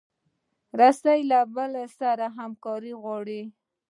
رسۍ له بل سره همکاري غواړي.